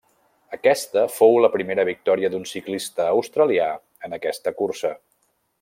Aquesta fou la primera victòria d'un ciclista australià en aquesta cursa.